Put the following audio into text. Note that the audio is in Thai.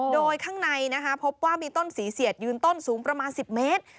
โดยข้างในพบว่ามีต้นสีเสียดยืนต้นสูงประมาณ๑๐เมตร